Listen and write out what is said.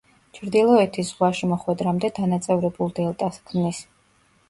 ჩრდილოეთის ზღვაში მოხვედრამდე დანაწევრებულ დელტას ჰქმნის.